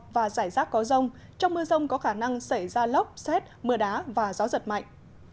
và có rông trong mưa rông có khả năng xảy ra lốc xét mưa đá và gió giật mạnh